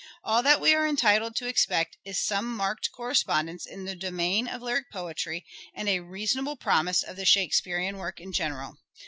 All that we are entitled to expect is some marked correspondence in the domain of lyric poetry, and a reasonable promise of the Shakespearean work in general.